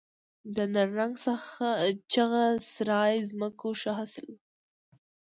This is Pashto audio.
د نرنګ، چغه سرای ځمکو ښه حاصل و